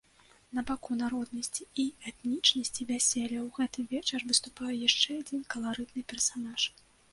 На баку народнасці і этнічнасці вяселля ў гэты вечар выступаў яшчэ адзін каларытны персанаж.